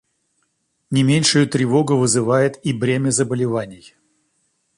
Не меньшую тревогу вызывает и бремя заболеваний.